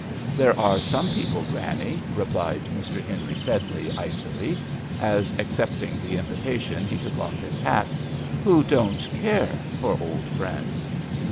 "There are some people, Granny," replied Mr. Henry Sedley, icily, as, accepting the invitation, he took off his hat, " who don't care for old friends."